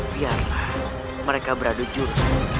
biarlah mereka beradu juru